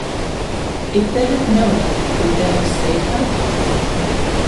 If they had known it, would they have saved her?